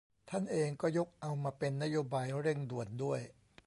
ท่านเองก็ยกเอามาเป็นนโยบายเร่งด่วนด้วย